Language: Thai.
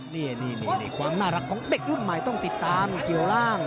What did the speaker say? นี่ความน่ารักของเด็กรุ่นใหม่ต้องติดตามเกี่ยวล่าง